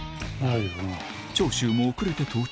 長州も遅れて到着